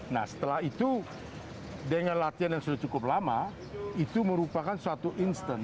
nah setelah itu dengan latihan yang sudah cukup lama itu merupakan suatu instant